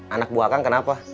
anak buah kang kenapa